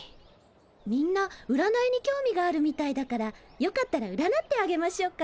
みんなうらないに興味があるみたいだからよかったらうらなってあげましょうか？